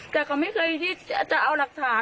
แต่เขาไม่เคยที่จะเอาหลักฐาน